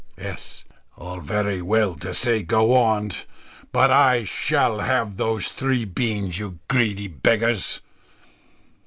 S. "All very well to say go on; but I shall have those three beans, you greedy beggars.